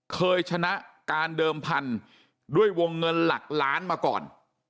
เคยชนะการเดิมพันธุ์ด้วยวงเงินหลักล้านมาก่อน